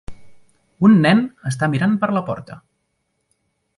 Un nen està mirant per la porta.